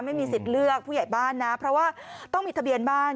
ไม่มีสิทธิ์เลือกผู้ใหญ่บ้านนะเพราะว่าต้องมีทะเบียนบ้าน